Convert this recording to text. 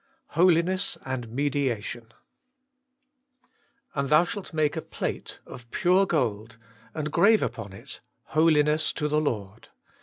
Holiness antr Jlefciattotu And thou shalt make a plate of pure gold, and grave upon it, HOLINESS TO THE LORD.